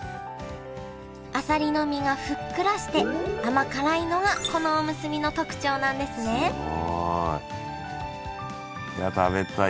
あさりの身がふっくらして甘辛いのがこのおむすびの特徴なんですねいや食べたい。